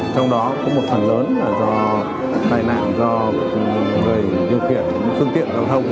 trong đó có một phần lớn là do tai nạn do người điều khiển phương tiện giao thông